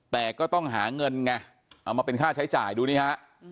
แต่ก็ต้องหาเงินไงเอามาเป็นค่าใช้จ่ายดูนี่ฮะ